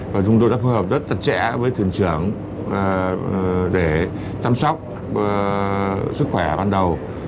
và chúng tôi đã phối hợp rất tật trẻ với thuyền trưởng để chăm sóc sức khỏe ban đầu